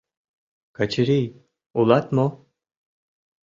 — Качырий, улат мо?